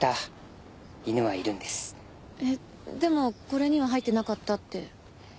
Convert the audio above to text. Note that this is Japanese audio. でもこれには入ってなかったって。